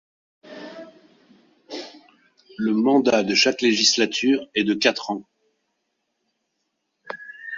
Le mandat de chaque législature est de quatre ans.